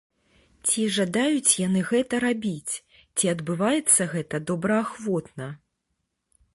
Ці жадаюць яны гэта рабіць, ці адбываецца гэта добраахвотна?